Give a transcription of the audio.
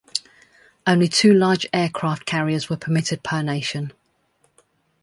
Only two large aircraft carriers were permitted per nation.